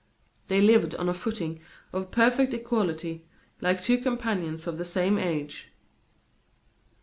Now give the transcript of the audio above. They lived on a footing of perfect equality, like two companions of the same age.